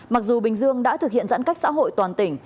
mặc dù bình dương đã thực hiện giãn cách xã hội toàn tỉnh